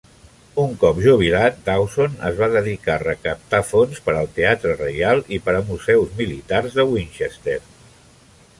Un cop jubilat, Dawson es va dedicar a recaptar fons per al Teatre Reial i per a museus militars de Winchester.